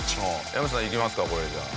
山下さんいきますかこれじゃあ。